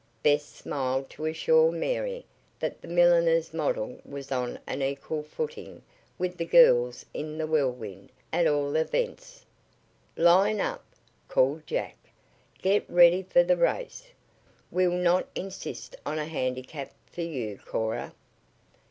Bess smiled to assure Mary that the milliner's model was on an equal footing with the girls in the Whirlwind, at all events. "Line up!" called Jack. "Get ready for the race. We'll not insist on a handicap for you, Cora."